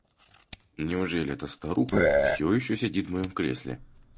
Неужели эта старуха все еще сидит в моем кресле?